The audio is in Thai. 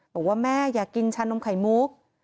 บอกว่าแม่อยากกินชานมไข่มุก